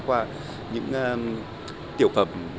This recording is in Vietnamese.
qua những tiểu phẩm